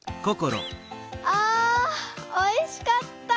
あおいしかった。